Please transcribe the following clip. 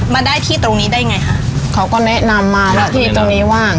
มาได้ที่ตรงนี้ได้ไงค่ะเขาก็แนะนำมาที่ตรงนี้ว่า